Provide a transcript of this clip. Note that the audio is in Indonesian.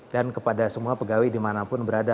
dan kepada semua pegawai dimanapun berada